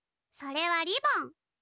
それはリボン。